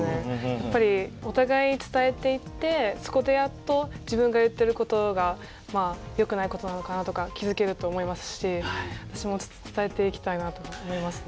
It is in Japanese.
やっぱりお互い伝えていってそこでやっと自分が言ってることがよくないことなのかなとか気付けると思いましたし私もちょっと伝えていきたいなと思いますね。